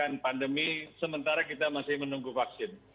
dan pandemi sementara kita masih menunggu vaksin